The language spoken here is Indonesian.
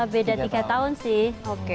beda tiga tahun sih